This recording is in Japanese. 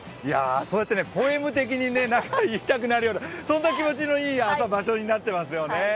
そうやってポエム的に何か言いたくなるような気持ちのいい場所になってますね。